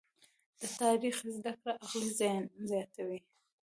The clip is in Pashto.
د تاریخ زده کړه عقل زیاتوي.